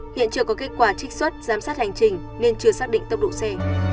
hiện chưa có kết quả trích xuất giám sát hành trình nên chưa xác định tốc độ c